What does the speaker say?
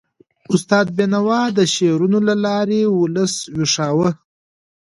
استاد بینوا د شعرونو له لارې ولس ویښاوه.